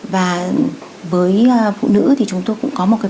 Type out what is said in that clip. và với phụ nữ thì chúng tôi cũng có một phong trào